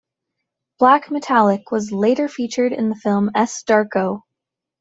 "Black Metallic" was later featured in the film S. Darko.